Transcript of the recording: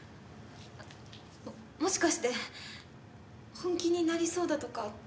もしかして本気になりそうだとか